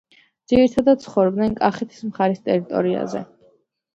ძირითადად ცხოვრობენ კახეთის მხარის ტერიტორიაზე.